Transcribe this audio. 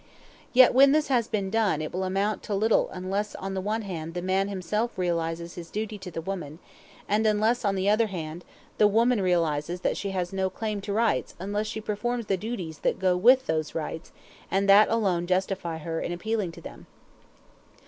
Yet when this has been done it will amount to little unless on the one hand the man himself realizes his duty to the woman, and unless on the other hand the woman realizes that she has no claim to rights unless she performs the duties that go with those rights and that alone justify her in appealing to them.